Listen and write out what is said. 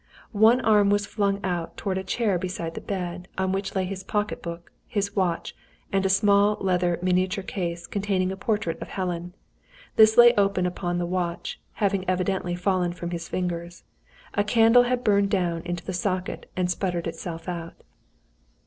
One arm was flung out toward a chair beside the bed, on which lay his pocket book, his watch, and a small leather miniature case containing a portrait of Helen. This lay open upon the watch, having evidently fallen from his fingers. A candle had burned down into the socket, and spluttered itself out.